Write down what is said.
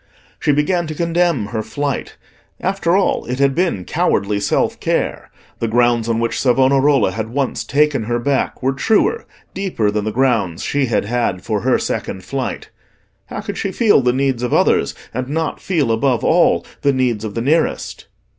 She began to condemn her flight: after all, it had been cowardly self care; the grounds on which Savonarola had once taken her back were truer, deeper than the grounds she had had for her second flight. How could she feel the needs of others and not feel, above all, the needs of the nearest?